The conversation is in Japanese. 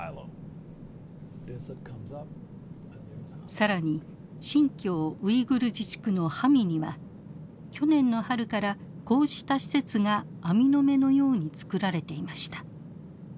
更に新疆ウイグル自治区のハミには去年の春からこうした施設が網の目のように造られていました。